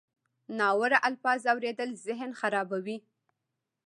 ناوړه الفاظ اورېدل ذهن خرابوي.